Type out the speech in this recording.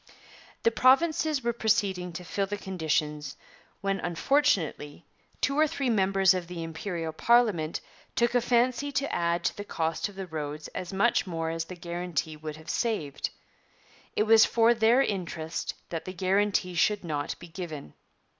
'The Provinces were proceeding to fulfil the conditions, when, unfortunately, two or three members of the Imperial parliament took a fancy to add to the cost of the roads as much more as the guarantee would have saved. It was for their interest that the guarantee should not be given.